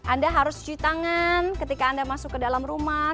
anda harus cuci tangan ketika anda masuk ke dalam rumah